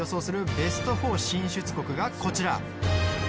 ベスト４進出国がこちら。